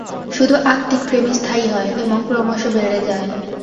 শুধু আত্মিক প্রেমই স্থায়ী হয়, এবং ক্রমশ বেড়ে যায়।